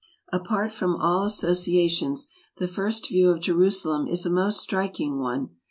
Apart from all associations, the first view of Jerusalem is a most striking one.